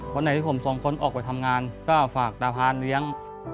วันไหนที่ผมสองคนออกไปทำงานก็ฝากตาพานเลี้ยง